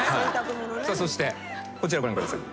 そしてこちらご覧ください。